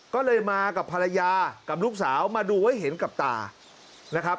ก็เลยมากับภรรยากับลูกสาวมาดูไว้เห็นกับตานะครับ